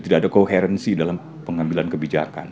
tidak ada koherensi dalam pengambilan kebijakan